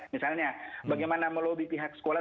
misalnya bagaimana melobi pihak sekolah